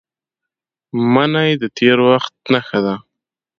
منی د تېر وخت نښه ده